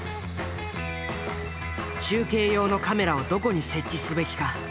中継用のカメラをどこに設置すべきか？